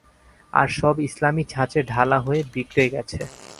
আর সব ইসলামী ছাঁচে ঢালা হয়ে বিগড়ে গেছে।